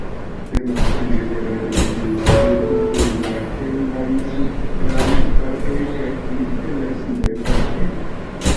Temas pri ĝenerale grizeca birdo kun malhelaj supraj partoj kaj pli helaj subaj partoj.